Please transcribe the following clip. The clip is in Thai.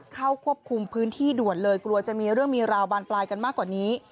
เข้าควบคุมพื้นที่ด่วนเลยกลัวจะมีเรื่องมีราวบานปลายกันมากกว่านี้